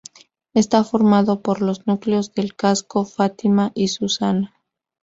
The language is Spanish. Está formado por los núcleos de El Casco, Fátima y Susana.